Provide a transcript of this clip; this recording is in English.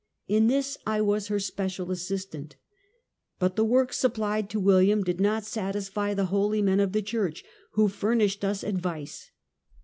In this I was her special assistant. But the work supplied to William did not satisfy the holy men of the church, who fur nished us advice.